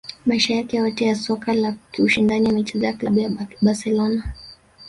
Maisha yake yote ya soka la kiushindani ameichezea klabu ya Barcelona